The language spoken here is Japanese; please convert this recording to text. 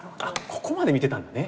ここまで見てたんだね。